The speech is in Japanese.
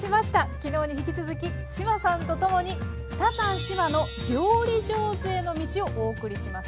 きのうに引き続き志麻さんと共に「タサン志麻の料理上手への道」をお送りします。